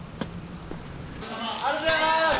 ありがとうございます！